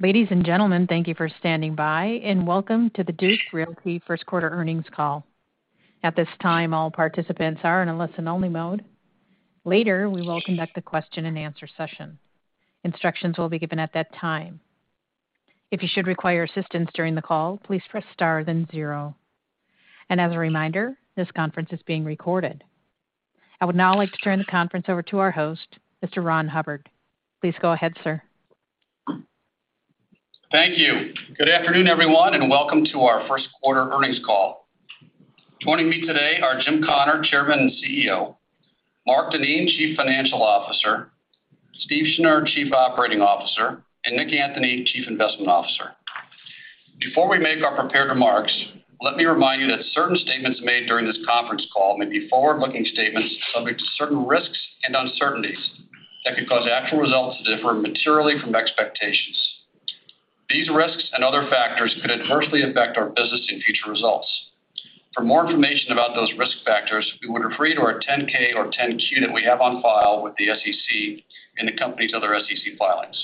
Ladies and gentlemen, thank you for standing by, and welcome to the Duke Realty First Quarter Earnings Call. At this time, all participants are in a listen only mode. Later, we will conduct a question-and-answer session. Instructions will be given at that time. If you should require assistance during the call, please press star then zero. As a reminder, this conference is being recorded. I would now like to turn the conference over to our host, Mr. Ron Hubbard. Please go ahead, sir. Thank you. Good afternoon, everyone, and welcome to our first quarter earnings call. Joining me today are Jim Connor, Chairman and CEO, Mark Denien, Chief Financial Officer, Steve Schnur, Chief Operating Officer, and Nick Anthony, Chief Investment Officer. Before we make our prepared remarks, let me remind you that certain statements made during this conference call may be forward-looking statements subject to certain risks and uncertainties that could cause actual results to differ materially from expectations. These risks and other factors could adversely affect our business in future results. For more information about those risk factors, we would refer you to our 10-K or 10-Q that we have on file with the SEC and the company's other SEC filings.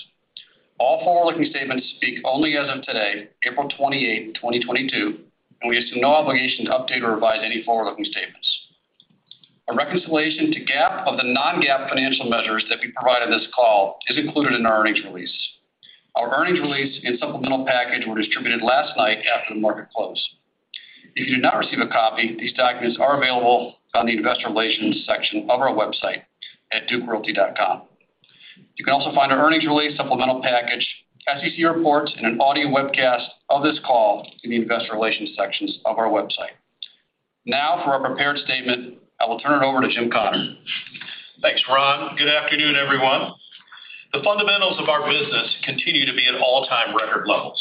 All forward-looking statements speak only as of today, April 28, 2022, and we assume no obligation to update or revise any forward-looking statements. A reconciliation to GAAP of the non-GAAP financial measures that we provide in this call is included in our earnings release. Our earnings release and supplemental package were distributed last night after the market closed. If you did not receive a copy, these documents are available on the investor relations section of our website at dukerealty.com. You can also find our earnings release, supplemental package, SEC reports, and an audio webcast of this call in the investor relations sections of our website. Now for our prepared statement, I will turn it over to Jim Connor. Thanks, Ron. Good afternoon, everyone. The fundamentals of our business continue to be at all-time record levels.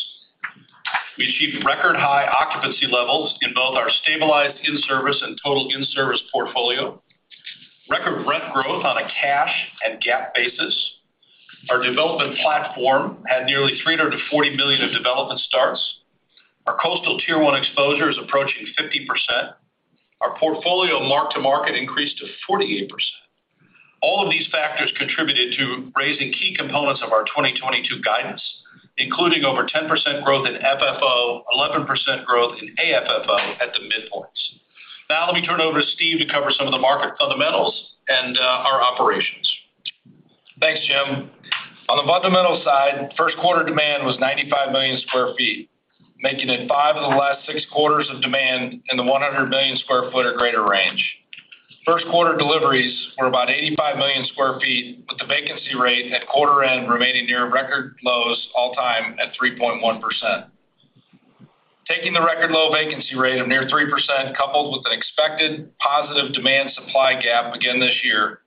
We achieved record high occupancy levels in both our stabilized in-service and total in-service portfolio. Record rent growth on a cash and GAAP basis. Our development platform had nearly $340 million of development starts. Our coastal Tier 1 exposure is approaching 50%. Our portfolio mark-to-market increased to 48%. All of these factors contributed to raising key components of our 2022 guidance, including over 10% growth in FFO, 11% growth in AFFO at the midpoints. Now let me turn it over to Steve to cover some of the market fundamentals and our operations. Thanks, Jim. On the fundamental side, first quarter demand was 95 million sq ft, making it five of the last six quarters of demand in the 100 million sq ft or greater range. First quarter deliveries were about 85 million sq ft, with the vacancy rate at quarter end remaining near record lows all time at 3.1%. Taking the record low vacancy rate of near 3%, coupled with an expected positive demand supply gap again this year,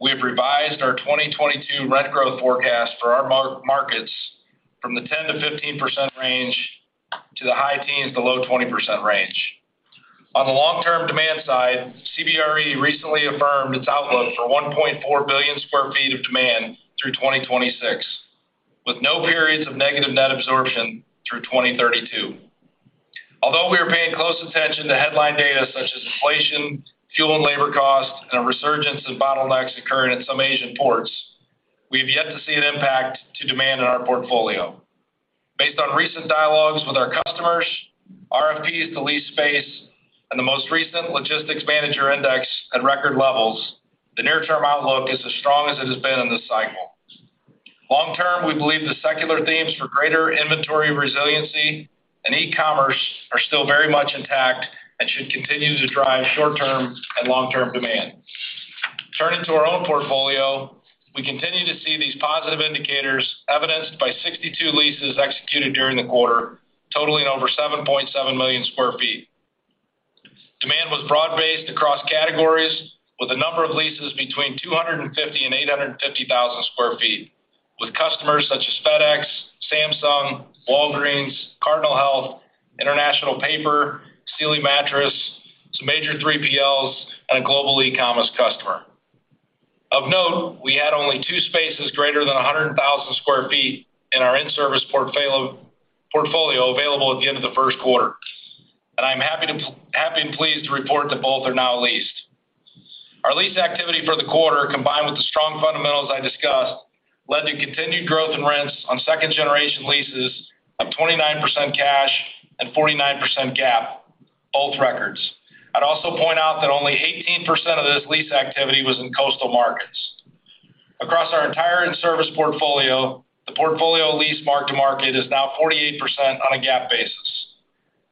we have revised our 2022 rent growth forecast for our markets from the 10%-15% range to the high teens to low 20% range. On the long term demand side, CBRE recently affirmed its outlook for 1.4 billion sq ft of demand through 2026, with no periods of negative net absorption through 2032. Although we are paying close attention to headline data such as inflation, fuel and labor costs, and a resurgence of bottlenecks occurring in some Asian ports, we have yet to see an impact to demand in our portfolio. Based on recent dialogues with our customers, RFPs to lease space and the most recent Logistics Managers' Index at record levels, the near-term outlook is as strong as it has been in this cycle. Long-term, we believe the secular themes for greater inventory resiliency and e-commerce are still very much intact and should continue to drive short-term and long-term demand. Turning to our own portfolio, we continue to see these positive indicators evidenced by 62 leases executed during the quarter, totaling over 7.7 million sq ft. Demand was broad-based across categories with a number of leases between 250 and 850,000 sq ft. With customers such as FedEx, Samsung, Walgreens, Cardinal Health, International Paper, Sealy Mattress, some major 3PLs, and a global e-commerce customer. Of note, we had only two spaces greater than 100,000 sq ft in our in-service portfolio available at the end of the first quarter, and I'm happy and pleased to report that both are now leased. Our lease activity for the quarter, combined with the strong fundamentals I discussed, led to continued growth in rents on second-generation leases of 29% cash and 49% GAAP, both records. I'd also point out that only 18% of this lease activity was in coastal markets. Across our entire in-service portfolio, the portfolio lease mark-to-market is now 48% on a GAAP basis.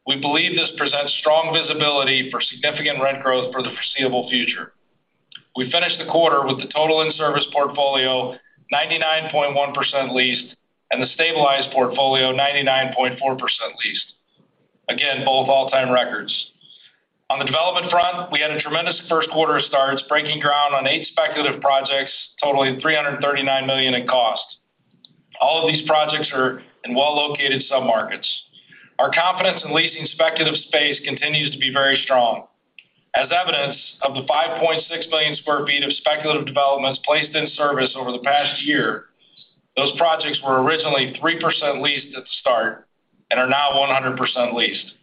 We believe this presents strong visibility for significant rent growth for the foreseeable future. We finished the quarter with the total in-service portfolio 99.1% leased and the stabilized portfolio 99.4% leased. Again, both all-time records. On the development front, we had a tremendous first quarter of starts, breaking ground on eight speculative projects totaling $339 million in cost. All of these projects are in well-located submarkets. Our confidence in leasing speculative space continues to be very strong. As evidence of the 5.6 million sq ft of speculative developments placed in service over the past year, those projects were originally 3% leased at the start and are now 100% leased.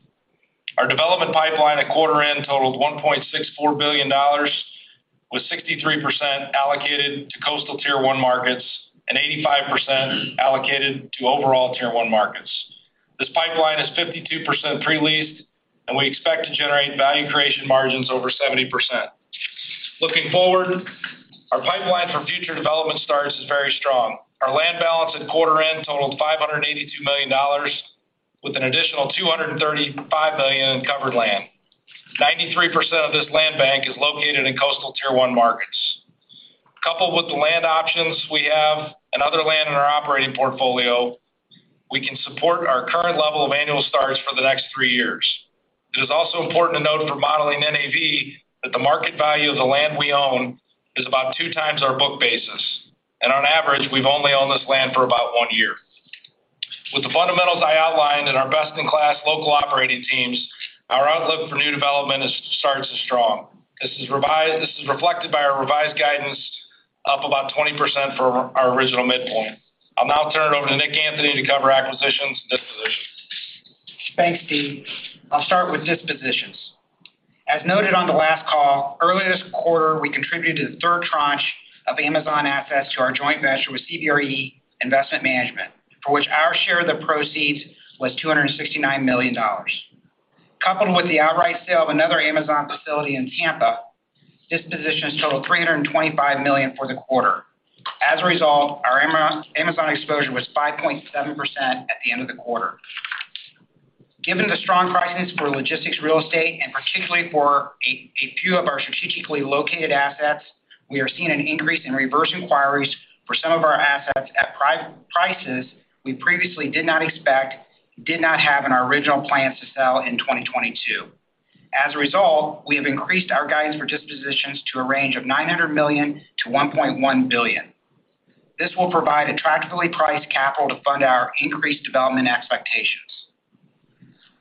Our development pipeline at quarter end totaled $1.64 billion, with 63% allocated to coastal Tier 1 markets, and 85% allocated to overall Tier 1 markets. This pipeline is 52% pre-leased, and we expect to generate value creation margins over 70%. Looking forward, our pipeline for future development starts is very strong. Our land bank at quarter end totaled $582 million, with an additional $235 million in covered land. 93% of this land bank is located in coastal Tier 1 markets. Coupled with the land options we have and other land in our operating portfolio, we can support our current level of annual starts for the next three years. It is also important to note for modeling NAV that the market value of the land we own is about two times our book basis. On average, we've only owned this land for about one year. With the fundamentals I outlined in our best-in-class local operating teams, our outlook for new development starts is strong. This is reflected by our revised guidance up about 20% for our original midpoint. I'll now turn it over to Nick Anthony to cover acquisitions and dispositions. Thanks, Steve. I'll start with dispositions. As noted on the last call, early this quarter, we contributed the third tranche of Amazon assets to our joint venture with CBRE Investment Management, for which our share of the proceeds was $269 million. Coupled with the outright sale of another Amazon facility in Tampa, dispositions totaled $325 million for the quarter. As a result, our Amazon exposure was 5.7% at the end of the quarter. Given the strong prices for logistics real estate, and particularly for a few of our strategically located assets, we are seeing an increase in reverse inquiries for some of our assets at prices we previously did not expect, did not have in our original plans to sell in 2022. As a result, we have increased our guidance for dispositions to a range of $900 million to $1.1 billion. This will provide attractively priced capital to fund our increased development expectations.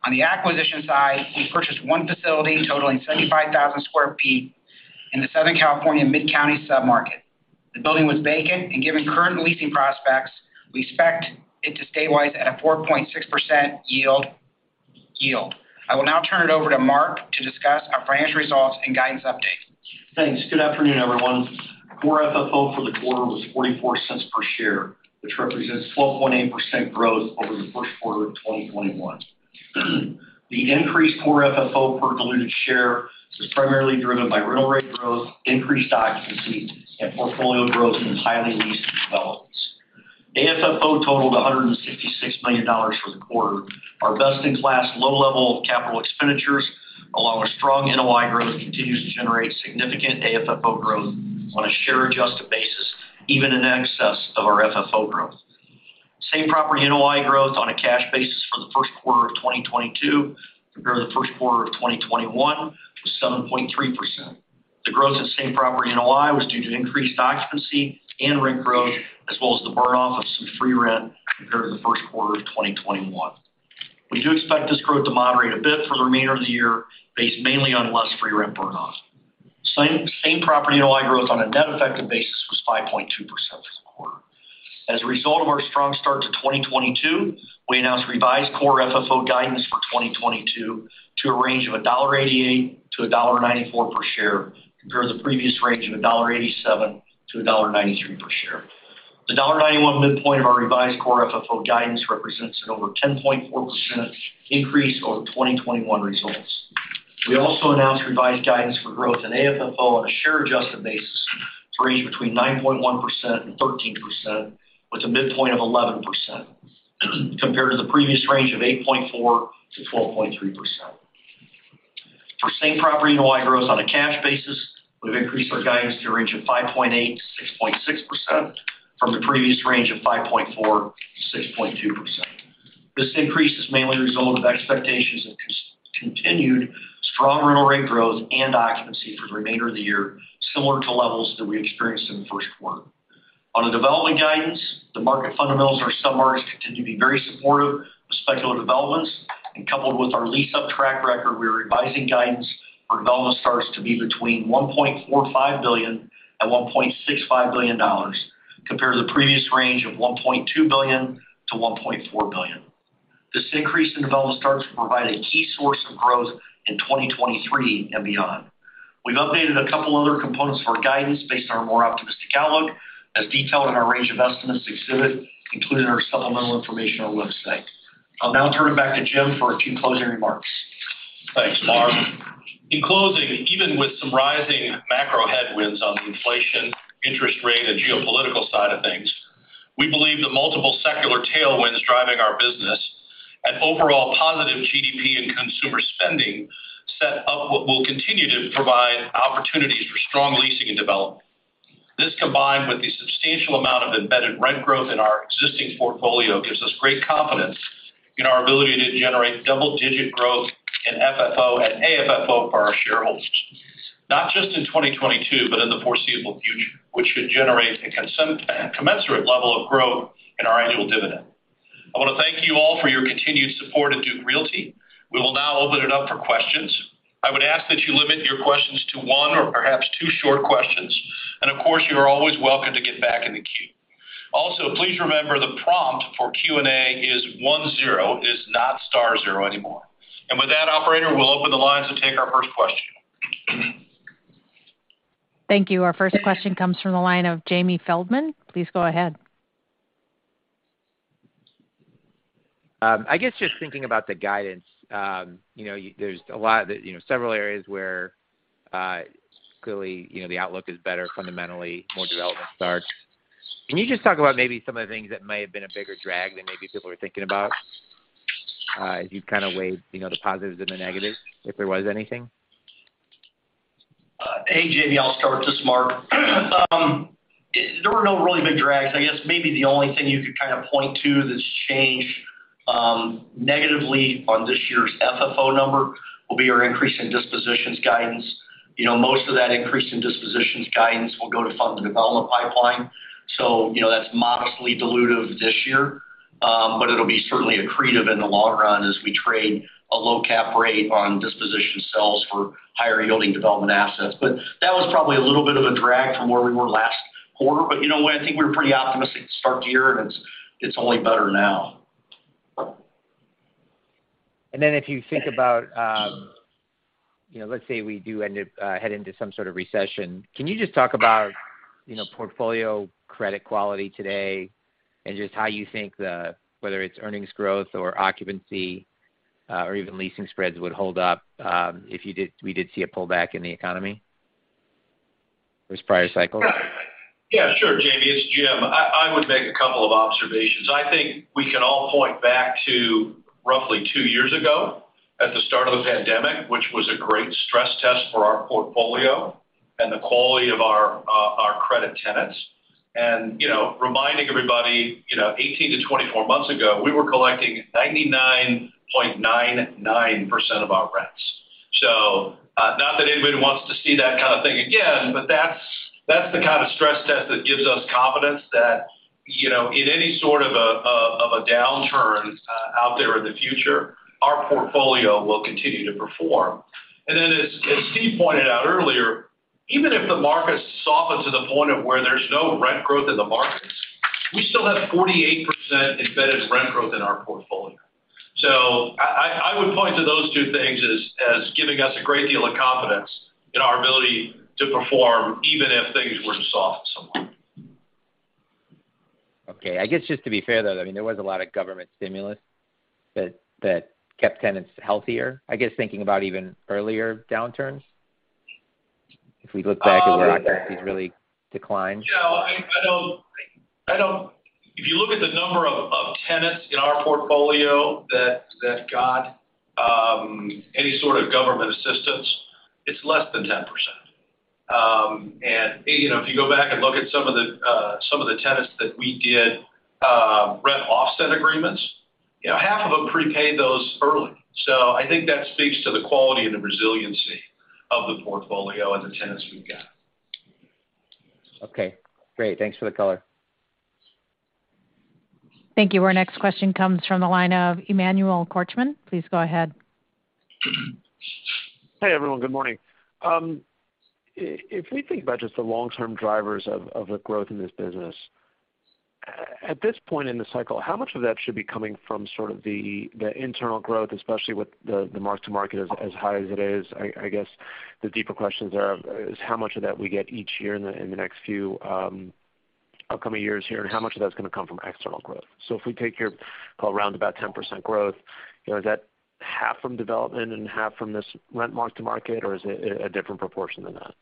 On the acquisition side, we purchased one facility totaling 75,000 sq ft in the Southern California Mid-Counties submarket. The building was vacant, and given current leasing prospects, we expect it to stabilize at a 4.6% yield. I will now turn it over to Mark to discuss our financial results and guidance update. Thanks. Good afternoon, everyone. Core FFO for the quarter was $0.44 per share, which represents 12.8% growth over the first quarter of 2021. The increased core FFO per diluted share was primarily driven by rental rate growth, increased occupancy, and portfolio growth in its highly leased developments. AFFO totaled $166 million for the quarter. Our best-in-class low level of capital expenditures, along with strong NOI growth, continues to generate significant AFFO growth on a share adjusted basis, even in excess of our FFO growth. Same-property NOI growth on a cash basis for the first quarter of 2022 compared to the first quarter of 2021 was 7.3%. The growth in same-property NOI was due to increased occupancy and rent growth, as well as the burn off of some free rent compared to the first quarter of 2021. We do expect this growth to moderate a bit for the remainder of the year, based mainly on less free rent burn off. Same-property NOI growth on a net effective basis was 5.2% for the quarter. As a result of our strong start to 2022, we announced revised core FFO guidance for 2022 to a range of $1.88-$1.94 per share, compared to the previous range of $1.87-$1.93 per share. The $1.91 midpoint of our revised core FFO guidance represents an over 10.4% increase over the 2021 results. We also announced revised guidance for growth in AFFO on a share-adjusted basis to range between 9.1% and 13%, with a midpoint of 11%, compared to the previous range of 8.4%-12.3%. For same-property NOI growth on a cash basis, we've increased our guidance to a range of 5.8%-6.6% from the previous range of 5.4%-6.2%. This increase is mainly the result of expectations of continued strong rental rate growth and occupancy for the remainder of the year, similar to levels that we experienced in the first quarter. On the development guidance, the market fundamentals of our submarkets continue to be very supportive of speculative developments. Coupled with our lease-up track record, we are revising guidance for development starts to be between $1.45 billion and $1.65 billion, compared to the previous range of $1.2 billion to $1.4 billion. This increase in development starts will provide a key source of growth in 2023 and beyond. We've updated a couple other components for guidance based on our more optimistic outlook, as detailed in our range of estimates exhibit included in our supplemental information on our website. I'll now turn it back to Jim for a few closing remarks. Thanks, Mark. In closing, even with some rising macro headwinds on the inflation, interest rate, and geopolitical side of things, we believe the multiple secular tailwinds driving our business and overall positive GDP and consumer spending set up what will continue to provide opportunities for strong leasing and development. This, combined with the substantial amount of embedded rent growth in our existing portfolio, gives us great confidence in our ability to generate double-digit growth in FFO and AFFO for our shareholders. Not just in 2022, but in the foreseeable future, which should generate a commensurate level of growth in our annual dividend. I want to thank you all for your continued support of Duke Realty. We will now open it up for questions. I would ask that you limit your questions to one or perhaps two short questions, and of course, you are always welcome to get back in the queue. Also, please remember the prompt for Q&A is 10, it's not star zero anymore. With that, operator, we'll open the lines to take our first question. Thank you. Our first question comes from the line of Jamie Feldman. Please go ahead. I guess just thinking about the guidance, you know, there's a lot of the, you know, several areas where, clearly, you know, the outlook is better fundamentally, more development starts. Can you just talk about maybe some of the things that may have been a bigger drag than maybe people were thinking about, as you kind of weighed, you know, the positives and the negatives, if there was anything? Hey, Jamie, I'll start this, Mark. There were no really big drags. I guess maybe the only thing you could kind of point to that's changed negatively on this year's FFO number will be our increase in dispositions guidance. You know, most of that increase in dispositions guidance will go to fund the development pipeline. You know, that's modestly dilutive this year, but it'll be certainly accretive in the long run as we trade a low cap rate on disposition sales for higher yielding development assets. That was probably a little bit of a drag from where we were last quarter. You know what? I think we were pretty optimistic to start the year, and it's only better now. Then if you think about, you know, let's say we do end up heading into some sort of recession. Can you just talk about, you know, portfolio credit quality today and just how you think whether it's earnings growth or occupancy, or even leasing spreads would hold up, if we did see a pullback in the economy versus prior cycles? Yeah, sure. Jamie, it's Jim. I would make a couple of observations. I think we can all point back to roughly two years ago at the start of the pandemic, which was a great stress test for our portfolio and the quality of our credit tenants. You know, reminding everybody, you know, 18-24 months ago, we were collecting 99.99% of our rents. Not that anybody wants to see that kind of thing again, but that's the kind of stress test that gives us confidence that, you know, in any sort of a downturn out there in the future, our portfolio will continue to perform. As Steve pointed out earlier, even if the market softens to the point of where there's no rent growth in the markets, we still have 48% embedded rent growth in our portfolio. I would point to those two things as giving us a great deal of confidence in our ability to perform even if things were to soft somewhat. Okay. I guess just to be fair, though, I mean, there was a lot of government stimulus that kept tenants healthier, I guess thinking about even earlier downturns, if we look back at where occupancies really declined. You know, I don't. If you look at the number of tenants in our portfolio that got any sort of government assistance, it's less than 10%. You know, if you go back and look at some of the tenants that we did rent offset agreements, you know, half of them prepaid those early. I think that speaks to the quality and the resiliency of the portfolio and the tenants we've got. Okay, great. Thanks for the color. Thank you. Our next question comes from the line of Emmanuel Korchman. Please go ahead. Hey, everyone. Good morning. If we think about just the long-term drivers of the growth in this business, at this point in the cycle, how much of that should be coming from sort of the internal growth, especially with the mark-to-market as high as it is? I guess the deeper question is how much of that we get each year in the next few upcoming years here, and how much of that's gonna come from external growth? If we take your call around about 10% growth, you know, is that half from development and half from this rent mark-to-market, or is it a different proportion than that?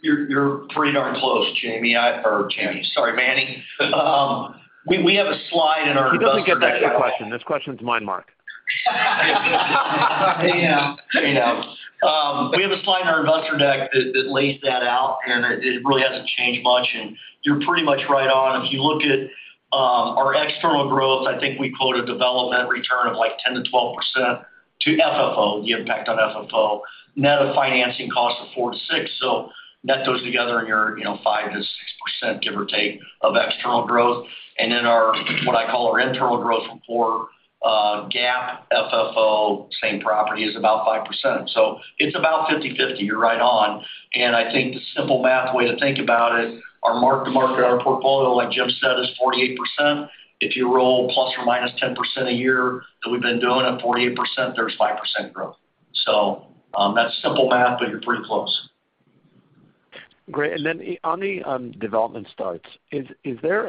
You're pretty darn close, Jamie. Or Jamie. Sorry, Manny. We have a slide in our investor deck. He doesn't get that question. This question is mine, Mark. Yeah. You know. We have a slide in our investor deck that lays that out, and it really hasn't changed much. You're pretty much right on. If you look at our external growth, I think we quote a development return of, like, 10%-12% to FFO, the impact on FFO. Net of financing costs of 4%-6%, so net those together and you're five to six percent, give or take, of external growth. Our what I call our internal growth before GAAP, FFO, same property is about 5%. It's about 50/50. You're right on. I think the simple math way to think about it, our mark-to-market on our portfolio, like Jim said, is 48%. If you roll ±10% a year that we've been doing at 48%, there's 5% growth. That's simple math, but you're pretty close. Great. On the development starts, is there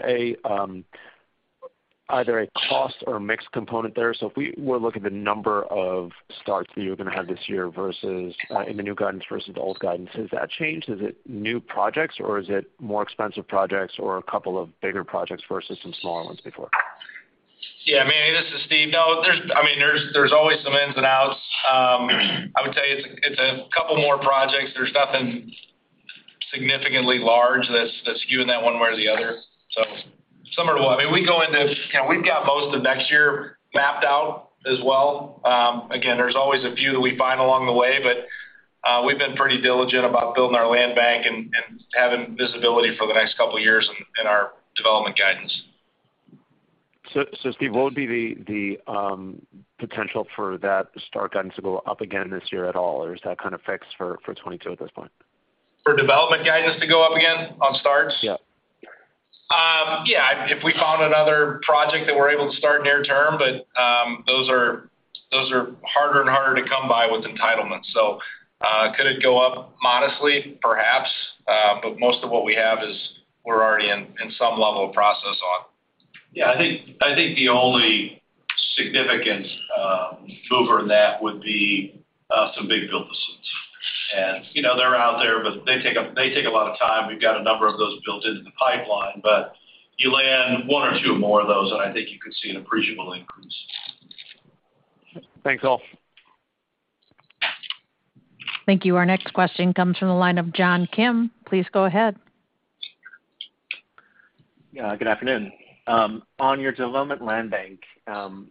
either a cost or a mixed component there? If we were looking at the number of starts that you're gonna have this year versus in the new guidance versus the old guidance, has that changed? Is it new projects, or is it more expensive projects or a couple of bigger projects versus some smaller ones before? Yeah, Manny, this is Steve. No, I mean, there's always some ins and outs. I would tell you it's a couple more projects. There's nothing significantly large that's skewing that one way or the other. Similar to what I mean. You know, we've got most of next year mapped out as well. Again, there's always a few that we find along the way, but we've been pretty diligent about building our land bank and having visibility for the next couple years in our development guidance. Steve, what would be the potential for that start guidance to go up again this year at all? Or is that kind of fixed for 2022 at this point? For development guidance to go up again on starts? Yeah. Yeah, if we found another project that we're able to start near term, but those are harder and harder to come by with entitlements. Could it go up modestly? Perhaps. Most of what we have is we're already in some level of process on. Yeah, I think the only significant mover in that would be some big build-to-suits. You know, they're out there, but they take a lot of time. We've got a number of those built into the pipeline, but you land one or two more of those, and I think you could see an appreciable increase. Thanks all. Thank you. Our next question comes from the line of John Kim. Please go ahead. Yeah, good afternoon. On your development land bank,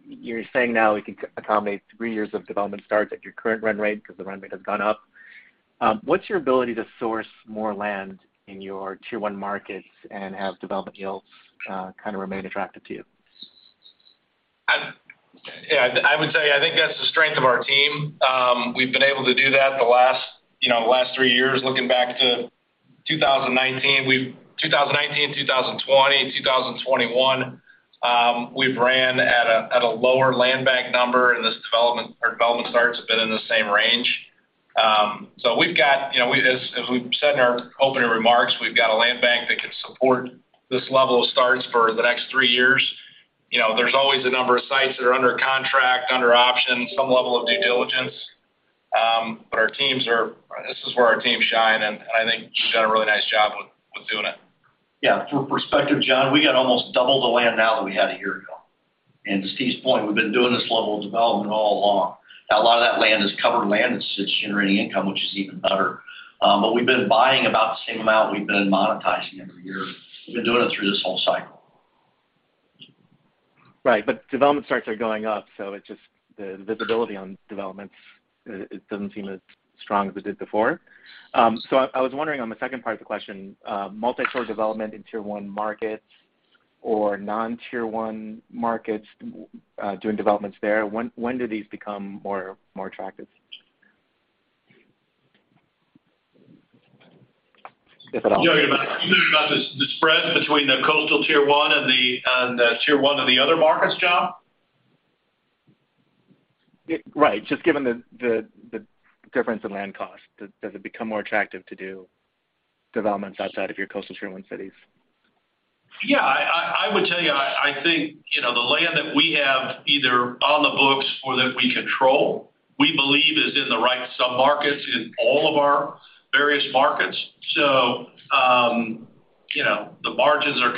you're saying now it can accommodate three years of development starts at your current run rate because the run rate has gone up. What's your ability to source more land in your Tier 1 markets and have development yields, kind of remain attractive to you? Yeah, I would say, I think that's the strength of our team. We've been able to do that the last, you know, last three years. Looking back to 2019, 2020, 2021, we've ran at a lower land bank number, and this development starts have been in the same range. So we've got, you know, as we said in our opening remarks, we've got a land bank that can support this level of starts for the next three years. You know, there's always a number of sites that are under contract, under option, some level of due diligence. This is where our teams shine, and I think we've done a really nice job with doing it. Yeah. For perspective, John, we got almost double the land now than we had a year ago. To Steve's point, we've been doing this level of development all along. Now, a lot of that land is covered land, it's generating income, which is even better. We've been buying about the same amount we've been monetizing every year. We've been doing it through this whole cycle. Right. Development starts are going up, so it's just the visibility on developments. It doesn't seem as strong as it did before. I was wondering on the second part of the question, multi-core development in Tier 1 markets or non-Tier 1 markets, doing developments there, when do these become more attractive? If at all. You're talking about the spread between the coastal Tier 1 and the Tier 1 of the other markets, John? Right. Just given the difference in land costs. Does it become more attractive to do developments outside of your coastal Tier 1 cities? Yeah. I would tell you, I think, you know, the land that we have either on the books or that we control, we believe is in the right submarkets in all of our various markets. The margins have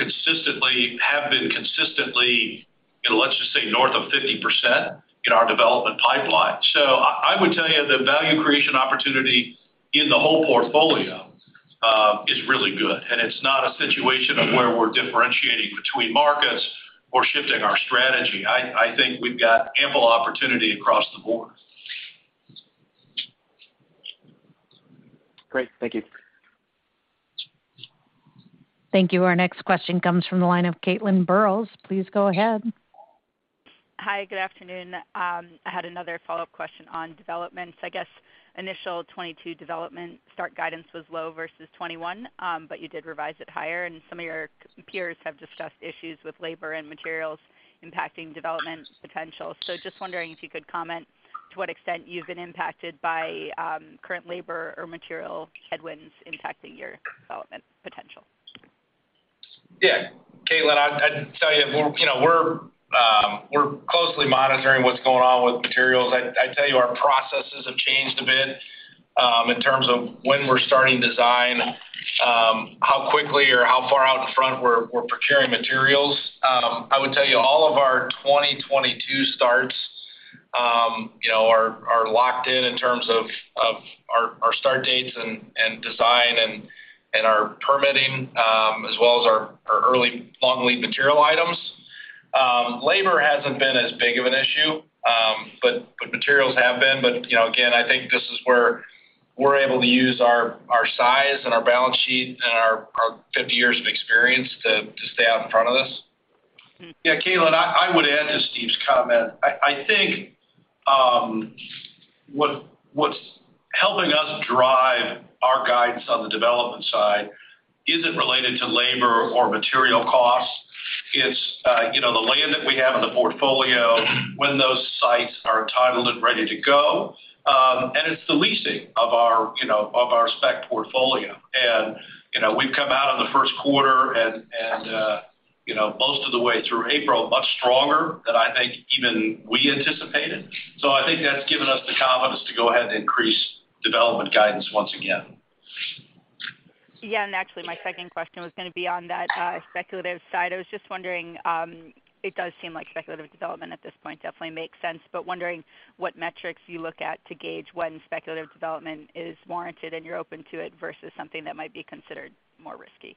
been consistently, you know, let's just say north of 50% in our development pipeline. I would tell you the value creation opportunity in the whole portfolio is really good. It's not a situation of where we're differentiating between markets or shifting our strategy. I think we've got ample opportunity across the board. Great. Thank you. Thank you. Our next question comes from the line of Caitlin Burrows. Please go ahead. Hi, good afternoon. I had another follow-up question on developments. I guess initial 2022 development start guidance was low versus 2021, but you did revise it higher, and some of your peers have discussed issues with labor and materials impacting development potential. Just wondering if you could comment to what extent you've been impacted by current labor or material headwinds impacting your development potential. Yeah. Caitlin, I'd tell you know, we're closely monitoring what's going on with materials. I tell you, our processes have changed a bit in terms of when we're starting design, how quickly or how far out in front we're procuring materials. I would tell you all of our 2022 starts, you know, are locked in in terms of our start dates and design and our permitting, as well as our early long lead material items. Labor hasn't been as big of an issue, but materials have been. You know, again, I think this is where we're able to use our size and our balance sheet and our 50 years of experience to stay out in front of this. Yeah, Caitlin, I would add to Steve's comment. I think what's helping us drive our guidance on the development side isn't related to labor or material costs. It's you know, the land that we have in the portfolio when those sites are titled and ready to go. And it's the leasing of our you know spec portfolio. You know, we've come out in the first quarter and you know, most of the way through April, much stronger than I think even we anticipated. I think that's given us the confidence to go ahead and increase development guidance once again. Actually, my second question was gonna be on that speculative side. I was just wondering, it does seem like speculative development at this point definitely makes sense, but wondering what metrics you look at to gauge when speculative development is warranted and you're open to it versus something that might be considered more risky.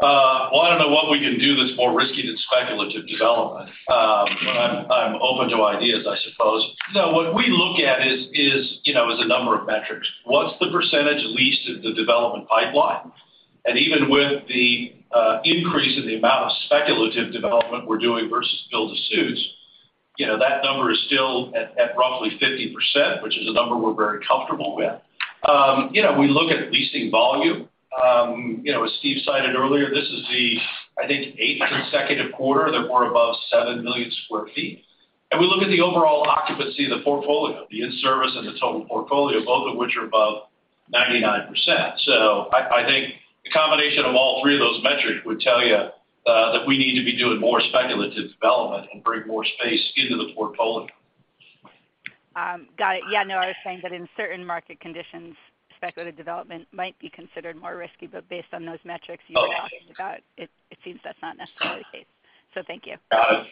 Well, I don't know what we can do that's more risky than speculative development. But I'm open to ideas, I suppose. No, what we look at is you know a number of metrics. What's the percentage leased in the development pipeline? Even with the increase in the amount of speculative development we're doing versus build-to-suits, you know that number is still at roughly 50%, which is a number we're very comfortable with. You know, we look at leasing volume. You know, as Steve cited earlier, this is the, I think, eighth consecutive quarter that we're above 7 million sq ft. We look at the overall occupancy of the portfolio, the in-service and the total portfolio, both of which are above 99%. I think the combination of all three of those metrics would tell you that we need to be doing more speculative development and bring more space into the portfolio. Got it. Yeah, no, I was saying that in certain market conditions, speculative development might be considered more risky, but based on those metrics you were talking about, it seems that's not necessarily the case. Thank you. Got it.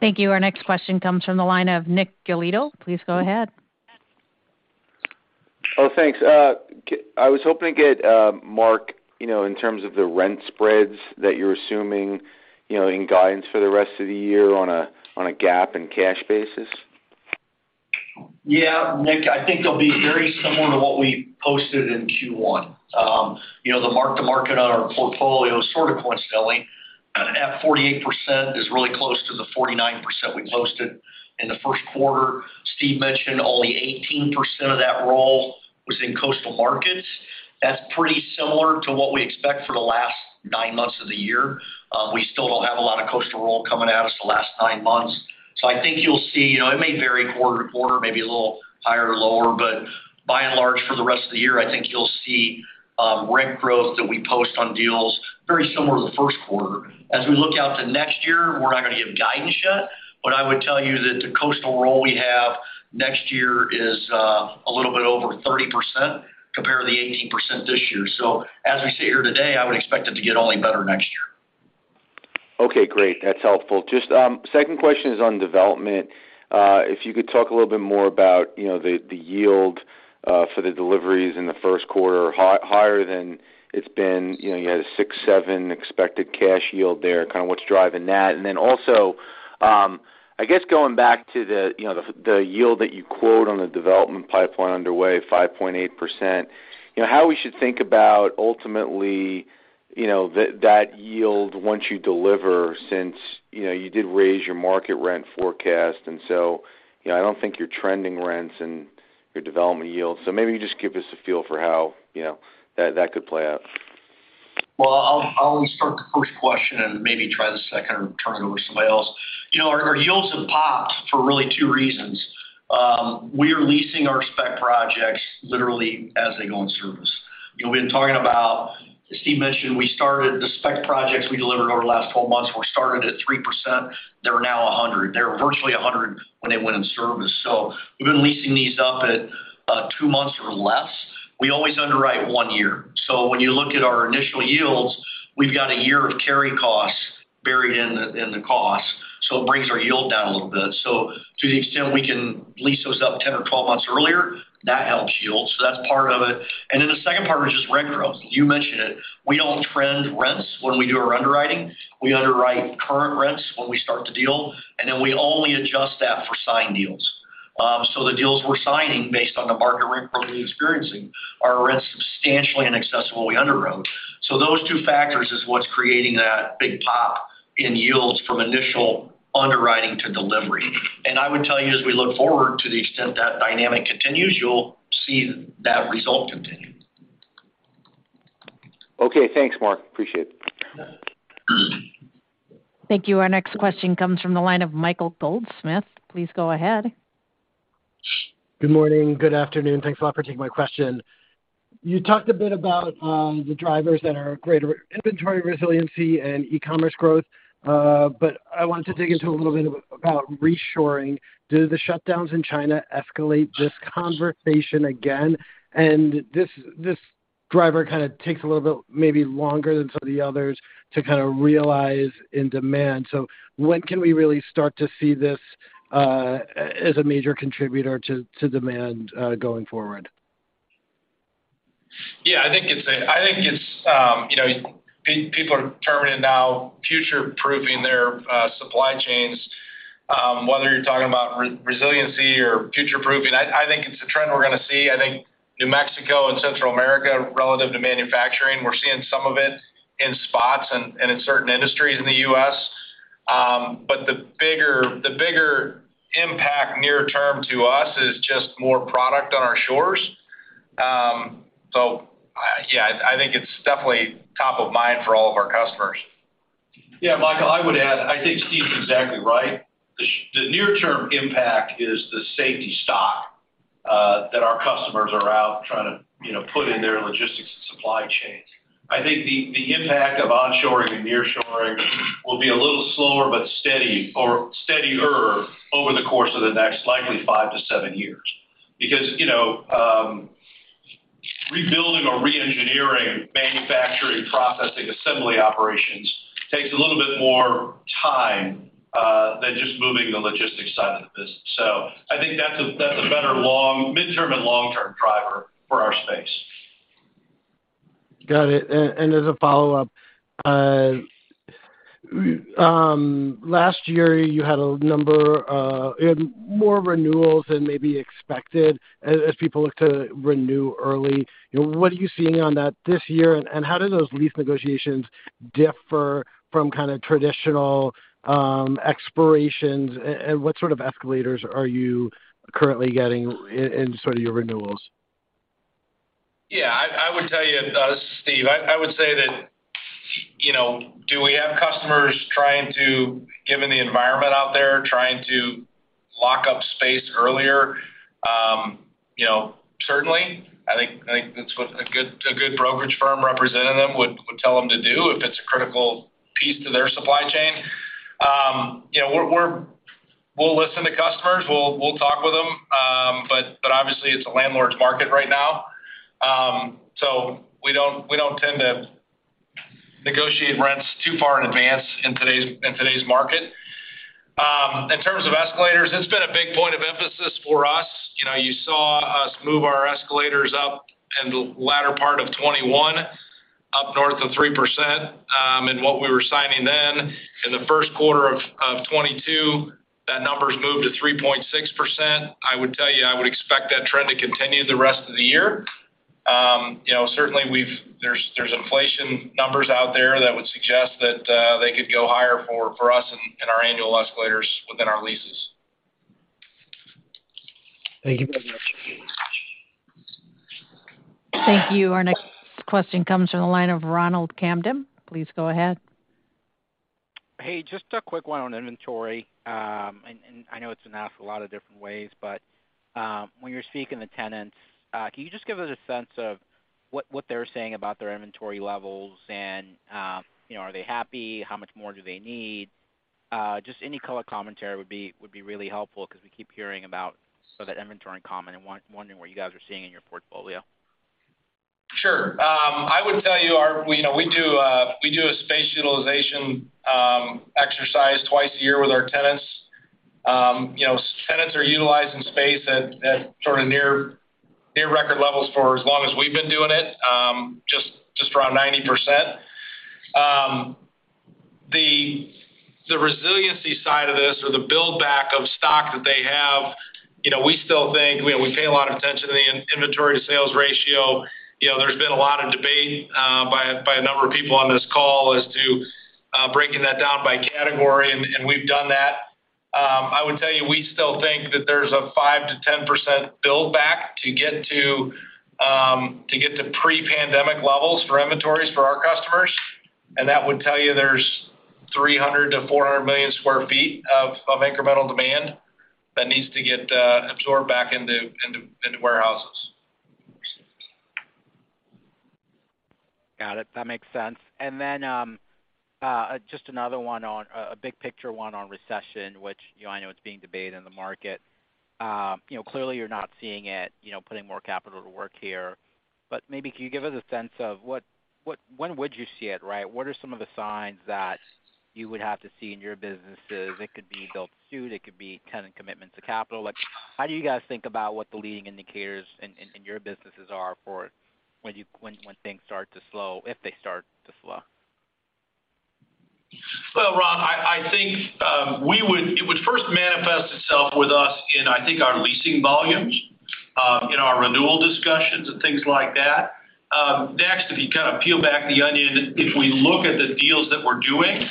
Thank you. Our next question comes from the line of Nick Yulico. Please go ahead. Oh, thanks. I was hoping to get, Mark, you know, in terms of the rent spreads that you're assuming, you know, in guidance for the rest of the year on a GAAP and cash basis? Yeah, Nick, I think they'll be very similar to what we posted in Q1. You know, the mark-to-market on our portfolio, sort of coincidentally, at 48% is really close to the 49% we posted in the first quarter. Steve mentioned only 18% of that roll was in coastal markets. That's pretty similar to what we expect for the last nine months of the year. We still don't have a lot of coastal roll coming at us the last nine months. I think you'll see, you know, it may vary quarter to quarter, maybe a little higher or lower, but by and large, for the rest of the year, I think you'll see rent growth that we post on deals very similar to the first quarter. As we look out to next year, we're not gonna give guidance yet, but I would tell you that the coastal roll we have next year is a little bit over 30% compared to the 18% this year. As we sit here today, I would expect it to get only better next year. Okay, great. That's helpful. Just second question is on development. If you could talk a little bit more about, you know, the yield for the deliveries in the first quarter, higher than it's been. You know, you had a 6-7% expected cash yield there. Kind of what's driving that. And then also, I guess going back to, you know, the yield that you quote on the development pipeline underway, 5.8%. You know, how we should think about ultimately, you know, that yield once you deliver since, you know, you did raise your market rent forecast. And so, you know, I don't think you're trending rents and your development yields. So maybe just give us a feel for how, you know, that could play out. Well, I'll start the first question and maybe try the second or turn it over to somebody else. You know, our yields have popped for really two reasons. We are leasing our spec projects literally as they go in service. You know, we've been talking about, as Steve mentioned, we started the spec projects we delivered over the last 12 months were started at 3%. They're now 100. They were virtually 100 when they went in service. We've been leasing these up at two months or less. We always underwrite one year. When you look at our initial yields, we've got a year of carry costs buried in the cost, so it brings our yield down a little bit. To the extent we can lease those up 10 or 12 months earlier, that helps yields. That's part of it. The second part was just rent growth. You mentioned it. We don't trend rents when we do our underwriting. We underwrite current rents when we start the deal, and then we only adjust that for signed deals. The deals we're signing based on the market rent growth we're experiencing are rents substantially in excess of what we underwrote. Those two factors is what's creating that big pop in yields from initial underwriting to delivery. I would tell you, as we look forward to the extent that dynamic continues, you'll see that result continue. Okay, thanks, Mark. Appreciate it. Thank you. Our next question comes from the line of Michael Goldsmith. Please go ahead. Good morning. Good afternoon. Thanks a lot for taking my question. You talked a bit about the drivers that are greater inventory resiliency and e-commerce growth. I want to dig into a little bit about reshoring. Do the shutdowns in China escalate this conversation again? This driver kind of takes a little bit maybe longer than some of the others to kind of materialize in demand. When can we really start to see this as a major contributor to demand going forward? Yeah, I think it's, you know, people are determined now, future-proofing their supply chains, whether you're talking about resiliency or future-proofing. I think it's a trend we're gonna see. I think near Mexico and Central America, relative to manufacturing, we're seeing some of it in spots and in certain industries in the U.S. The bigger impact near term to us is just more product on our shores. Yeah, I think it's definitely top of mind for all of our customers. Yeah, Michael, I would add, I think Steve's exactly right. The near-term impact is the safety stock that our customers are out trying to, you know, put in their logistics and supply chains. I think the impact of onshoring and nearshoring will be a little slower but steady or steadier over the course of the next likely 5-7 years. Because, you know, rebuilding or reengineering manufacturing, processing, assembly operations takes a little bit more time than just moving the logistics side of the business. I think that's a better long- to midterm and long-term driver for our space. Got it. As a follow-up, last year you had a number in more renewals than maybe expected as people look to renew early. You know, what are you seeing on that this year, and how do those lease negotiations differ from kind of traditional expirations? What sort of escalators are you currently getting in sort of your renewals? I would tell you, Steve Schnur, I would say that, you know, do we have customers trying to, given the environment out there, lock up space earlier? You know, certainly, I think that's what a good brokerage firm representing them would tell them to do if it's a critical piece to their supply chain. You know, we'll listen to customers, we'll talk with them. Obviously it's a landlord's market right now. We don't tend to negotiate rents too far in advance in today's market. In terms of escalators, it's been a big point of emphasis for us. You know, you saw us move our escalators up in the latter part of 2021, up north of 3%, in what we were signing then. In the first quarter of 2022, that number's moved to 3.6%. I would tell you, I would expect that trend to continue the rest of the year. You know, certainly there's inflation numbers out there that would suggest that they could go higher for us in our annual escalators within our leases. Thank you very much. Thank you. Our next question comes from the line of Ronald Kamdem. Please go ahead. Hey, just a quick one on inventory. I know it's been asked a lot of different ways, but when you're speaking to tenants, can you just give us a sense of what they're saying about their inventory levels and you know, are they happy? How much more do they need? Just any color commentary would be really helpful because we keep hearing about sort of inventory in common and wondering what you guys are seeing in your portfolio. Sure. I would tell you. You know, we do a space utilization exercise twice a year with our tenants. You know, tenants are utilizing space at sort of near record levels for as long as we've been doing it, just around 90%. The resiliency side of this or the build back of stock that they have, you know, we still think. You know, we pay a lot of attention to the inventory-to-sales ratio. You know, there's been a lot of debate by a number of people on this call as to breaking that down by category, and we've done that. I would tell you, we still think that there's a 5%-10% build back to get to pre-pandemic levels for inventories for our customers. That would tell you there's 300-400 million sq ft of incremental demand that needs to get absorbed back into warehouses. Got it. That makes sense. Just another one on a big picture, one on recession, which, you know, I know it's being debated in the market. You know, clearly you're not seeing it, you know, putting more capital to work here. Maybe can you give us a sense of what when would you see it, right? What are some of the signs that you would have to see in your businesses? It could be build-to-suit, it could be tenant commitment to capital. Like, how do you guys think about what the leading indicators in your businesses are for when things start to slow, if they start to slow? Well, Ron, I think it would first manifest itself with us in, I think, our leasing volumes, in our renewal discussions and things like that. Next, if you kind of peel back the onion, if we look at the deals that we're doing,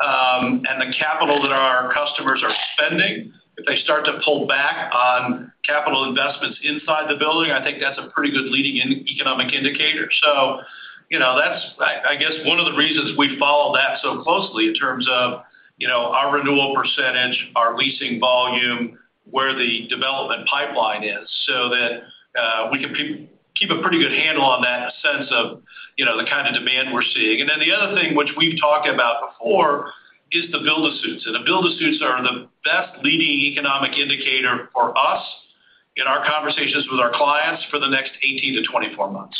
and the capital that our customers are spending, if they start to pull back on capital investments inside the building, I think that's a pretty good leading economic indicator. You know, that's, I guess one of the reasons we follow that so closely in terms of, you know, our renewal percentage, our leasing volume, where the development pipeline is, so that we can keep a pretty good handle on that sense of, you know, the kind of demand we're seeing. Then the other thing which we've talked about before is the build-to-suits. The build-to-suits are the best leading economic indicator for us in our conversations with our clients for the next 18-24 months.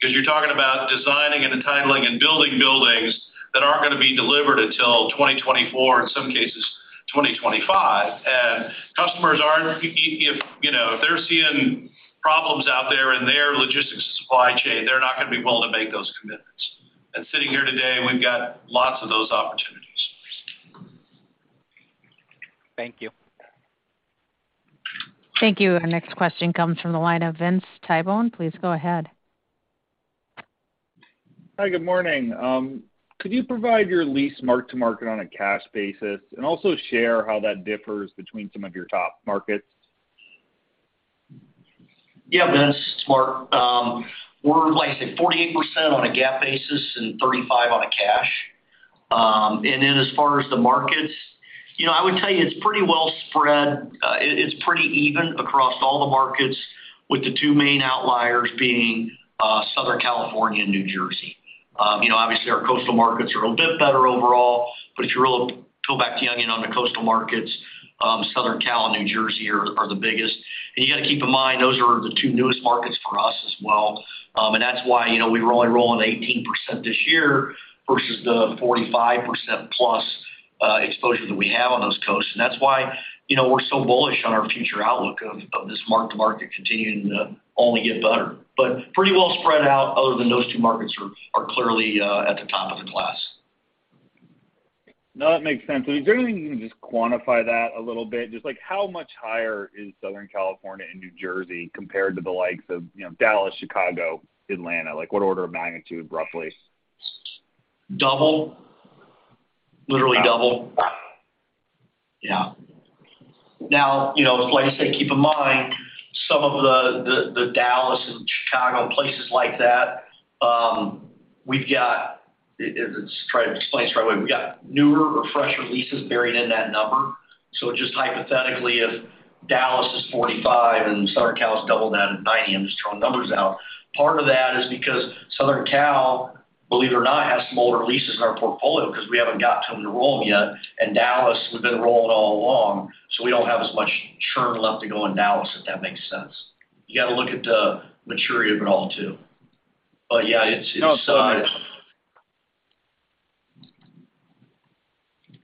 Because you're talking about designing and entitling and building buildings that aren't gonna be delivered until 2024, in some cases, 2025. Customers aren't. If you know, if they're seeing problems out there in their logistics supply chain, they're not gonna be willing to make those commitments. Sitting here today, we've got lots of those opportunities. Thank you. Thank you. Our next question comes from the line of Vince Tibone. Please go ahead. Hi, good morning. Could you provide your lease mark-to-market on a cash basis and also share how that differs between some of your top markets? Yeah, Vince. It's Mark Denien. We're like, say, 48% on a GAAP basis and 35% on a cash. And then as far as the markets, you know, I would tell you it's pretty well spread. It's pretty even across all the markets, with the two main outliers being Southern California and New Jersey. You know, obviously our coastal markets are a bit better overall, but if you really peel back the onion on the coastal markets, Southern Cal and New Jersey are the biggest. You got to keep in mind, those are the two newest markets for us as well. And that's why, you know, we're only rolling 18% this year versus the 45% plus. exposure that we have on those coasts. That's why, you know, we're so bullish on our future outlook of this mark-to-market continuing to only get better. Pretty well spread out other than those two markets are clearly at the top of the class. No, that makes sense. Is there anything you can just quantify that a little bit? Just like how much higher is Southern California and New Jersey compared to the likes of, you know, Dallas, Chicago, Atlanta? Like, what order of magnitude, roughly? Double. Literally double. Yeah. Now, you know, like I say, keep in mind some of the Dallas and Chicago, places like that, we've got. Let's try to explain this the right way. We've got newer or fresh leases buried in that number. So just hypothetically, if Dallas is 45 and Southern Cal is double that at 90, I'm just throwing numbers out. Part of that is because Southern Cal, believe it or not, has some older leases in our portfolio because we haven't got to them to roll them yet. Dallas, we've been rolling all along, so we don't have as much churn left to go in Dallas, if that makes sense. You got to look at the maturity of it all, too. But yeah, it's.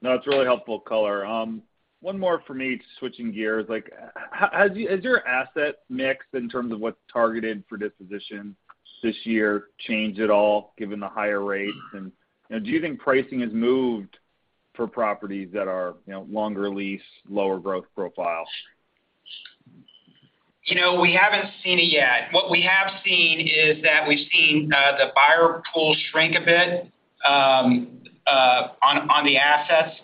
No, it's really helpful color. One more from me, switching gears. Like, has your asset mix in terms of what's targeted for disposition this year changed at all given the higher rates? You know, do you think pricing has moved for properties that are, you know, longer lease, lower growth profile? You know, we haven't seen it yet. What we have seen is that we've seen the buyer pool shrink a bit, on the assets.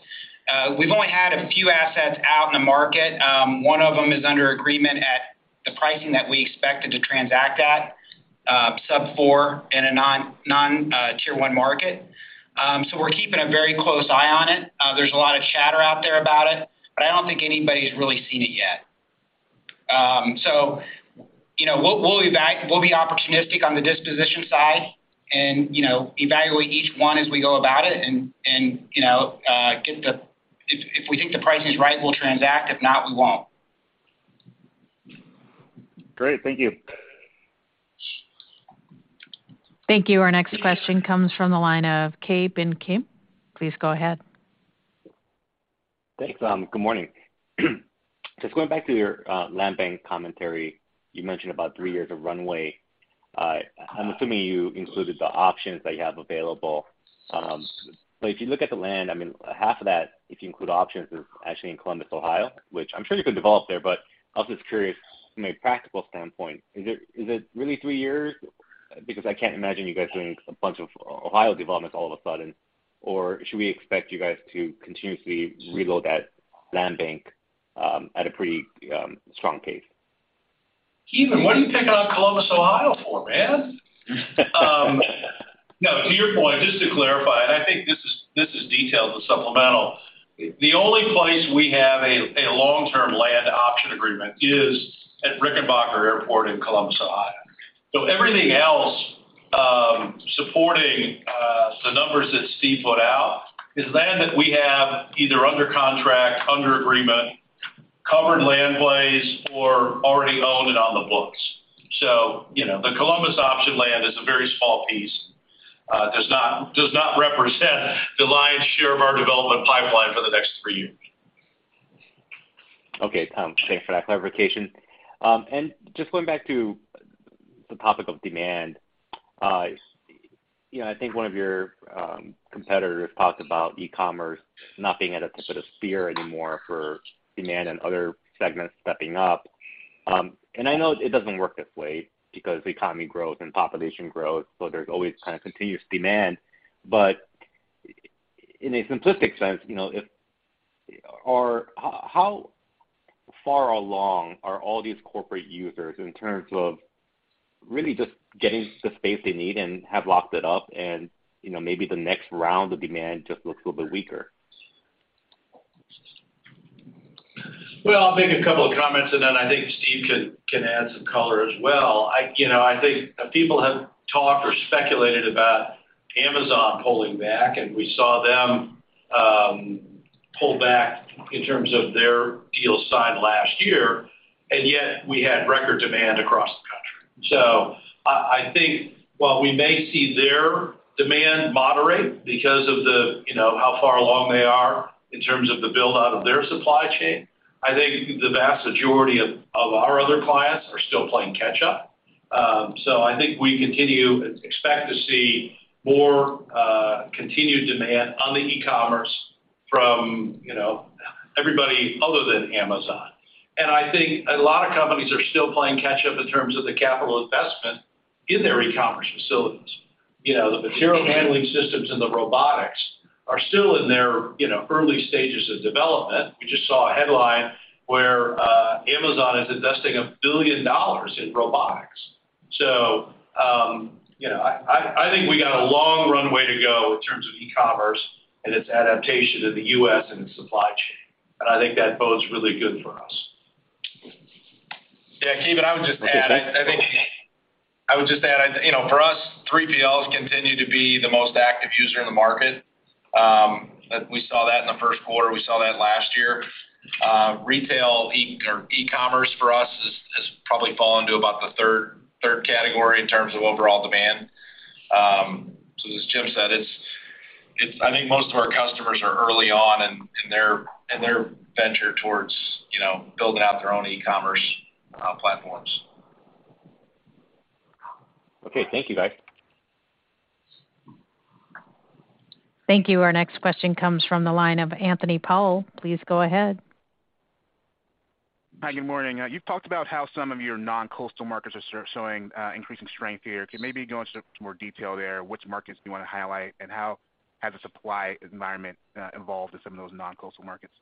We've only had a few assets out in the market. One of them is under agreement at the pricing that we expected to transact at, sub-4% in a non-Tier 1 market. So we're keeping a very close eye on it. There's a lot of chatter out there about it, but I don't think anybody's really seen it yet. So, you know, we'll be opportunistic on the disposition side and, you know, evaluate each one as we go about it. If we think the price is right, we'll transact. If not, we won't. Great. Thank you. Thank you. Our next question comes from the line of Ki Bin Kim. Please go ahead. Thanks. Good morning. Just going back to your land bank commentary, you mentioned about three years of runway. I'm assuming you included the options that you have available. If you look at the land, I mean, half of that, if you include options, is actually in Columbus, Ohio, which I'm sure you could develop there, but I was just curious from a practical standpoint, is it really three years? Because I can't imagine you guys doing a bunch of Ohio developments all of a sudden. Should we expect you guys to continuously reload that land bank at a pretty strong pace? Kim, what are you picking on Columbus, Ohio for, man? No, to your point, just to clarify, and I think this is detailed in the supplemental. The only place we have a long-term land option agreement is at Rickenbacker Airport in Columbus, Ohio. Everything else supporting the numbers that Steve put out is land that we have either under contract, under agreement, covered land, or already owned and on the books. You know, the Columbus option land is a very small piece. Does not represent the lion's share of our development pipeline for the next three years. Okay, Tom. Thanks for that clarification. Just going back to the topic of demand. You know, I think one of your competitors talked about e-commerce not being at the tip of the spear anymore for demand and other segments stepping up. I know it doesn't work this way because the economy grows and population grows, so there's always kind of continuous demand. In a simplistic sense, you know, how far along are all these corporate users in terms of really just getting the space they need and have locked it up and, you know, maybe the next round of demand just looks a little bit weaker? Well, I'll make a couple of comments, and then I think Steve can add some color as well. You know, I think people have talked or speculated about Amazon pulling back, and we saw them pull back in terms of their deals signed last year, and yet we had record demand across the country. I think while we may see their demand moderate because of the you know how far along they are in terms of the build-out of their supply chain, I think the vast majority of our other clients are still playing catch up. I think we expect to see more continued demand on the e-commerce from you know everybody other than Amazon. I think a lot of companies are still playing catch up in terms of the capital investment in their e-commerce facilities. You know, the material handling systems and the robotics are still in their, you know, early stages of development. We just saw a headline where Amazon is investing $1 billion in robotics. You know, I think we got a long runway to go in terms of e-commerce and its adaptation in the U.S. and its supply chain, and I think that bodes really good for us. Yeah. Kim, I would just add, you know, for us, 3PLs continue to be the most active user in the market. We saw that in the first quarter. We saw that last year. Retail or e-commerce for us has probably fallen to about the third category in terms of overall demand. As Jim said, it's, I think most of our customers are early on in their venture towards, you know, building out their own e-commerce platforms. Okay. Thank you, guys. Thank you. Our next question comes from the line of Anthony Powell. Please go ahead. Hi. Good morning. You've talked about how some of your non-coastal markets are showing increasing strength here. Can you maybe go into more detail there, which markets do you wanna highlight, and how has the supply environment evolved in some of those non-coastal markets?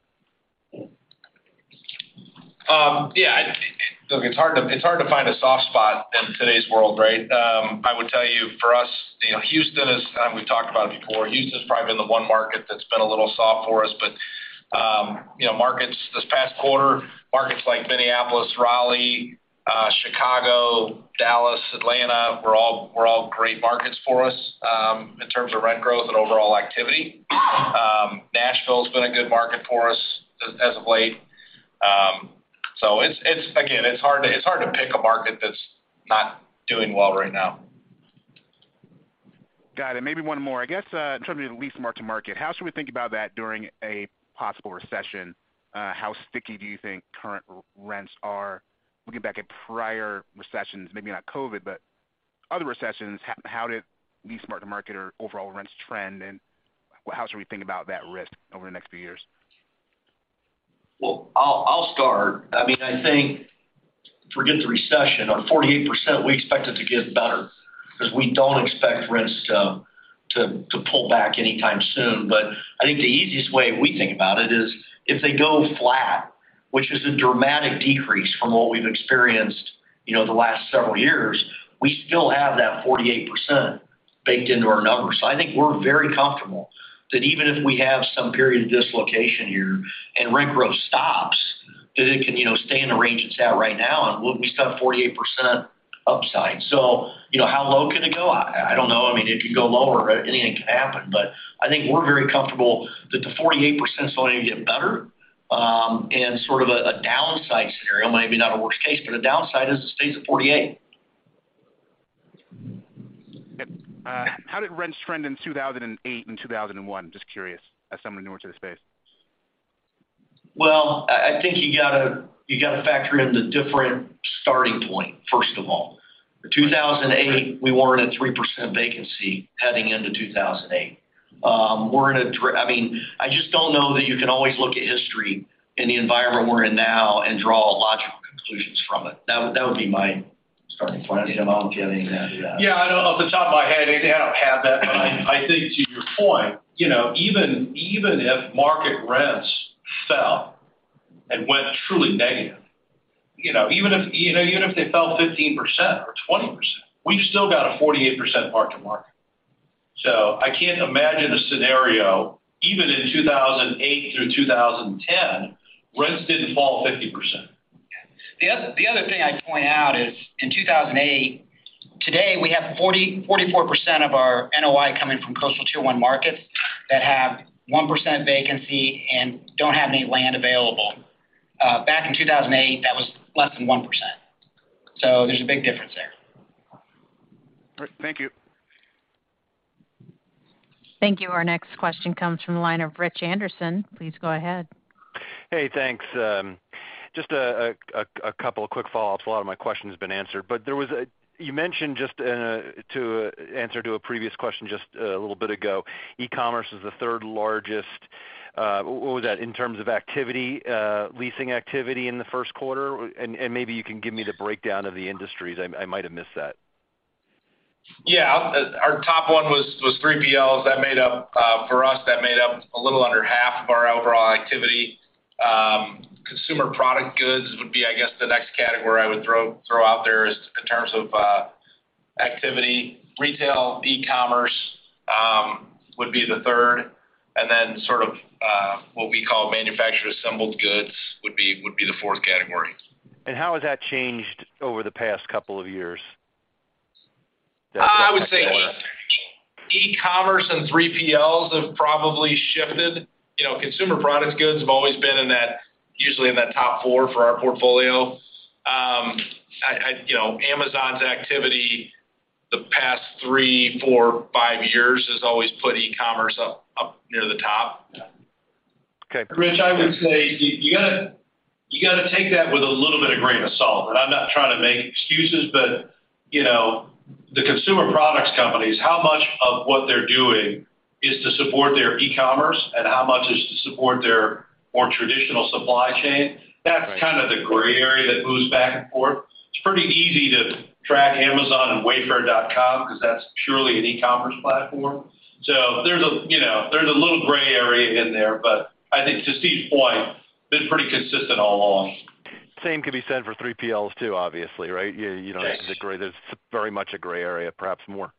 Yeah. Look, it's hard to find a soft spot in today's world, right? I would tell you for us, you know, Houston is. We've talked about it before. Houston's probably been the one market that's been a little soft for us. You know, markets this past quarter, markets like Minneapolis, Raleigh, Chicago, Dallas, Atlanta were all great markets for us in terms of rent growth and overall activity. Nashville's been a good market for us as of late. It's hard to pick a market that's not doing well right now. Got it. Maybe one more. I guess, in terms of the lease mark-to-market, how should we think about that during a possible recession? How sticky do you think current rents are? Looking back at prior recessions, maybe not COVID, but other recessions, how did lease mark-to-market or overall rents trend, and how should we think about that risk over the next few years? Well, I'll start. I mean, I think forget the recession. On 48%, we expect it to get better because we don't expect rents to pull back anytime soon. I think the easiest way we think about it is if they go flat, which is a dramatic decrease from what we've experienced, you know, the last several years, we still have that 48% baked into our numbers. I think we're very comfortable that even if we have some period of dislocation here and rent growth stops, that it can, you know, stay in the range it's at right now, and we still have 48% upside. You know, how low can it go? I don't know. I mean, it could go lower. Anything can happen. I think we're very comfortable that the 48%'s only gonna get better. Sort of a downside scenario, maybe not a worst case, but a downside is it stays at 48. Yep. How did rents trend in 2008 and 2001? Just curious, as someone newer to the space. Well, I think you gotta factor in the different starting point, first of all. For 2008, we weren't at 3% vacancy heading into 2008. I mean, I just don't know that you can always look at history in the environment we're in now and draw logical conclusions from it. That would be my starting point. Jim, I don't know if you have anything to add to that. Yeah, I don't. Off the top of my head, I don't have that. I think to your point, you know, even if market rents fell and went truly negative, you know, even if they fell 15% or 20%, we've still got a 48% mark-to-market. I can't imagine a scenario, even in 2008 through 2010, rents didn't fall 50%. Yeah. The other thing I'd point out is in 2008, today we have 44% of our NOI coming from coastal Tier One markets that have 1% vacancy and don't have any land available. Back in 2008, that was less than 1%. There's a big difference there. Great. Thank you. Thank you. Our next question comes from the line of Rich Anderson. Please go ahead. Hey, thanks. Just a couple of quick follow-ups. A lot of my question has been answered. You mentioned just in an answer to a previous question just a little bit ago, e-commerce is the third largest, what was that? In terms of activity, leasing activity in the first quarter. Maybe you can give me the breakdown of the industries. I might have missed that. Yeah. Our top one was 3PLs. That made up for us a little under half of our overall activity. Consumer product goods would be, I guess, the next category I would throw out there is in terms of activity. Retail, e-commerce would be the third. Sort of what we call manufacturer assembled goods would be the fourth category. How has that changed over the past couple of years? I would say e-commerce and 3PLs have probably shifted. You know, consumer products goods have always been in that, usually in that top four for our portfolio. You know, Amazon's activity the past three, four, five years has always put e-commerce up near the top. Okay. Rich, I would say you gotta take that with a little bit of grain of salt. I'm not trying to make excuses, but, you know, the consumer products companies, how much of what they're doing is to support their e-commerce and how much is to support their more traditional supply chain? Right. That's kind of the gray area that moves back and forth. It's pretty easy to track Amazon and Wayfair.com 'cause that's purely an e-commerce platform. There's a, you know, there's a little gray area in there. I think to Steve's point, been pretty consistent all along. Same could be said for 3PLs too, obviously, right? You don't have the gray- Yes. There's very much a gray area, perhaps more.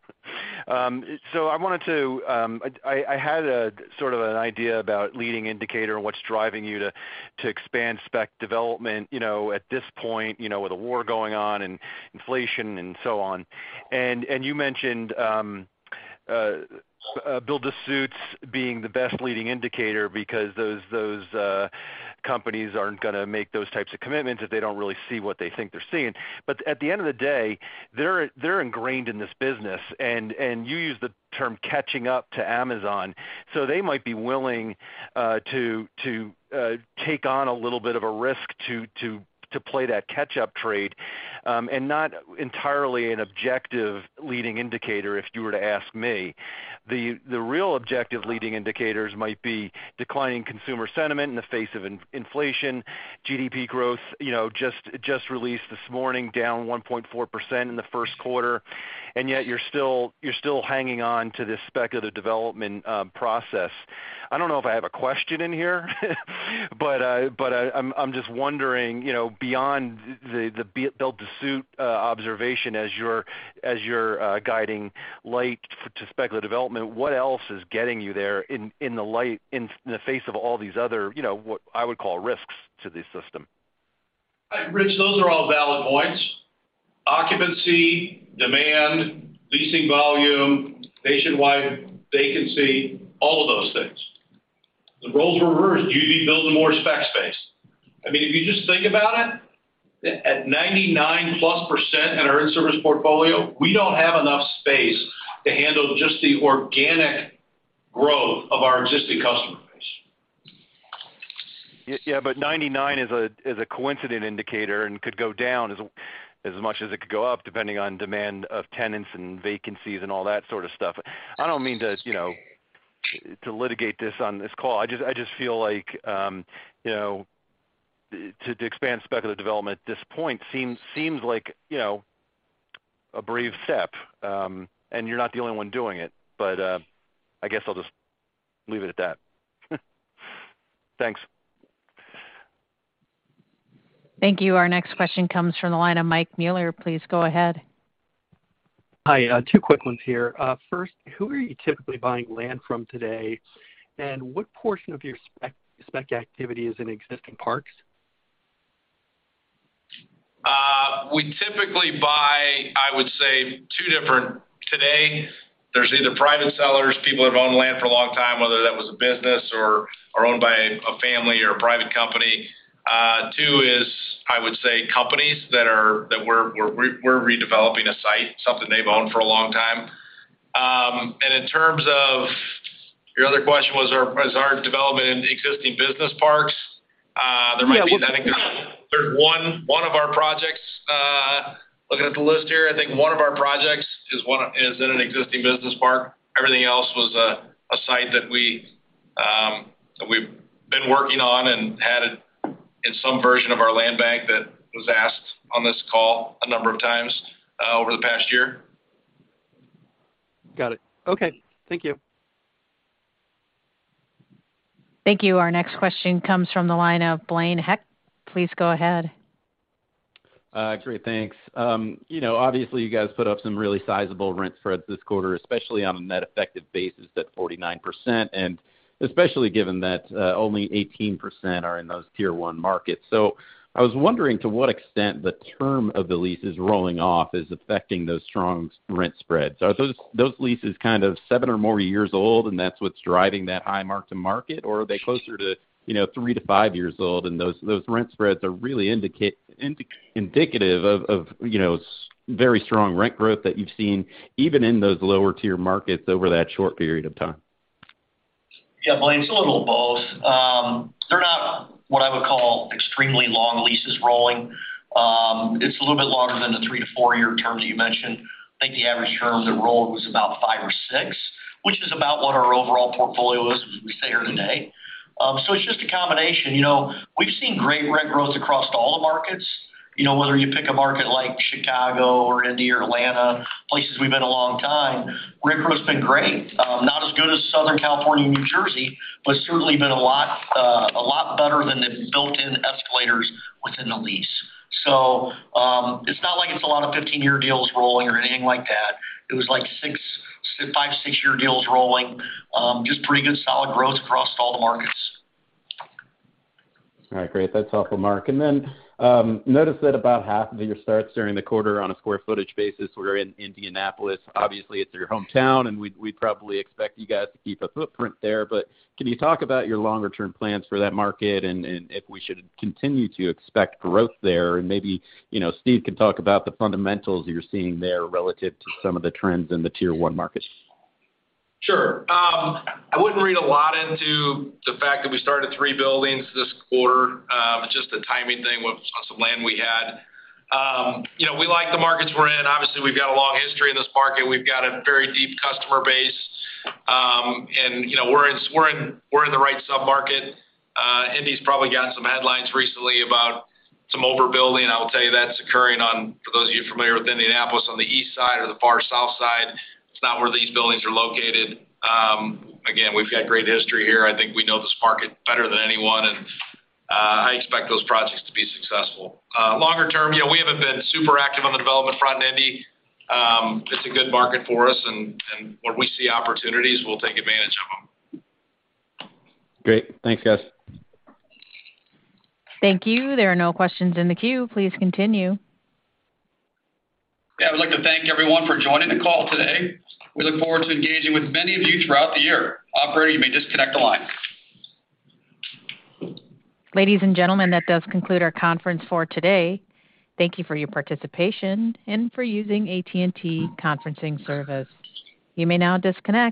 I had a sort of an idea about leading indicator and what's driving you to expand spec development, you know, at this point, you know, with a war going on and inflation and so on. You mentioned build-to-suits being the best leading indicator because those companies aren't gonna make those types of commitments if they don't really see what they think they're seeing. At the end of the day, they're ingrained in this business. You use the term catching up to Amazon. They might be willing to take on a little bit of a risk to play that catch-up trade, and not entirely an objective leading indicator if you were to ask me. The real objective leading indicators might be declining consumer sentiment in the face of inflation, GDP growth, you know, just released this morning, down 1.4% in the first quarter. Yet you're still hanging on to this aspect of the development process. I don't know if I have a question in here, but I'm just wondering, you know, beyond the build-to-suit observation as your guiding light to speculative development, what else is getting you there in the face of all these other, you know, what I would call risks to the system? Hi, Rich. Those are all valid points. Occupancy, demand, leasing volume, nationwide vacancy, all of those things. The roles were reversed. Do you need building more spec space? I mean, if you just think about it, at 99%+ in our in-service portfolio, we don't have enough space to handle just the organic growth of our existing customer base. Yeah, but 99 is a coincident indicator and could go down as much as it could go up, depending on demand of tenants and vacancies and all that sort of stuff. I don't mean to, you know, to litigate this on this call. I just feel like, you know, to expand speculative development at this point seems like, you know, a brave step, and you're not the only one doing it. I guess I'll just leave it at that. Thanks. Thank you. Our next question comes from the line of Mike Mueller. Please go ahead. Hi. Two quick ones here. First, who are you typically buying land from today? What portion of your spec activity is in existing parks? We typically buy, I would say, two different. Today, there's either private sellers, people that have owned land for a long time, whether that was a business or owned by a family or a private company. Two is, I would say, companies that we're redeveloping a site, something they've owned for a long time. In terms of your other question, was our development in existing business parks? There might be that in there. There's one of our projects, looking at the list here, I think one of our projects is in an existing business park. Everything else was a site that we've been working on and had it in some version of our land bank that was asked on this call a number of times over the past year. Got it. Okay. Thank you. Thank you. Our next question comes from the line of Blaine Heck. Please go ahead. Great. Thanks. You know, obviously, you guys put up some really sizable rent spreads this quarter, especially on a net effective basis at 49%, and especially given that, only 18% are in those Tier 1 markets. I was wondering to what extent the term of the leases rolling off is affecting those strong rent spreads. Are those leases kind of seven or more years old, and that's what's driving that high mark-to-market, or are they closer to, you know, 3-5 years old, and those rent spreads are really indicative of, you know, very strong rent growth that you've seen even in those lower tier markets over that short period of time? Yeah, Blaine, it's a little of both. They're not what I would call extremely long leases rolling. It's a little bit longer than the 3-4-year terms you mentioned. I think the average term that rolled was about five or six, which is about what our overall portfolio is as we sit here today. So it's just a combination. You know, we've seen great rent growth across all the markets. You know, whether you pick a market like Chicago or Indy or Atlanta, places we've been a long time, rent growth has been great. Not as good as Southern California, New Jersey, but certainly been a lot better than the built-in escalators within the lease. So it's not like it's a lot of 15-year deals rolling or anything like that. It was like 5-6-year deals rolling. Just pretty good solid growth across all the markets. All right, great. That's helpful, Mark. Noticed that about half of your starts during the quarter on a square footage basis were in Indianapolis. Obviously, it's your hometown, and we probably expect you guys to keep a footprint there. Can you talk about your longer term plans for that market and if we should continue to expect growth there? Maybe, you know, Steve can talk about the fundamentals you're seeing there relative to some of the trends in the Tier 1 markets. Sure. I wouldn't read a lot into the fact that we started three buildings this quarter. It's just a timing thing with some land we had. You know, we like the markets we're in. Obviously, we've got a long history in this market. We've got a very deep customer base. You know, we're in the right sub-market. Indy's probably gotten some headlines recently about some overbuilding. I will tell you that's occurring on, for those of you familiar with Indianapolis, on the east side or the far south side. It's not where these buildings are located. Again, we've got great history here. I think we know this market better than anyone, and I expect those projects to be successful. Longer term, you know, we haven't been super active on the development front in Indy. It's a good market for us, and when we see opportunities, we'll take advantage of them. Great. Thanks, guys. Thank you. There are no questions in the queue. Please continue. Yeah, I'd like to thank everyone for joining the call today. We look forward to engaging with many of you throughout the year. Operator, you may disconnect the line. Ladies and gentlemen, that does conclude our conference for today. Thank you for your participation and for using AT&T Conferencing Service. You may now disconnect.